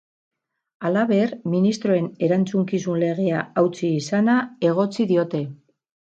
Halaber, ministroen erantzukizun legea hautsi izana egotzi diote.